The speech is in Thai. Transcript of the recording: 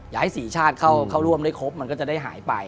ให้๔ชาติเข้าร่วมได้ครบมันก็จะได้หายไป